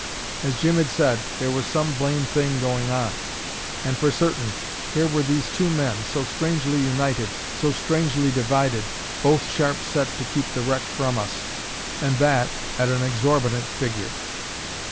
As Jim had said, there was some blamed thing going on. And for certain, here were these two men, so strangely united, so strangely divided, both sharp set to keep the wreck from us, and that at an exorbitant figure.